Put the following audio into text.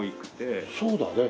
そうだね。